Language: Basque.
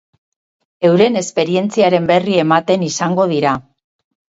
Euren esperientziaren berri ematen izango dira.